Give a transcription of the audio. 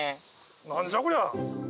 何じゃこりゃ。